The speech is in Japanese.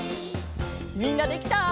みんなできた？